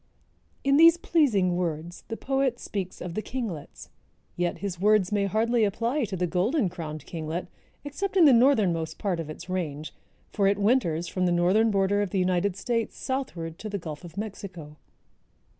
In these pleasing words the poet speaks of the kinglets. Yet his words may hardly apply to the Golden crowned Kinglet, except in the northernmost part of its range, for it winters from the northern border of the United States southward to the Gulf of Mexico.